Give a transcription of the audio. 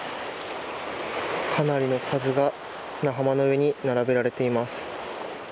かなりの数が砂浜の上に並べられています。